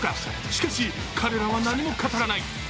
しかし、彼らは何も語らない。